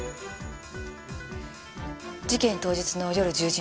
事件当日の夜１０時